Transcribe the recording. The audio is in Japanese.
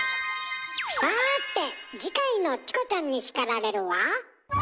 さて次回の「チコちゃんに叱られる」は？